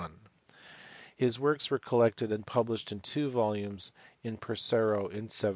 His works were collected and published in two volumes at Pesaro in 1750.